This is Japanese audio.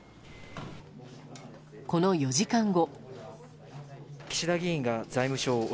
この４時間後。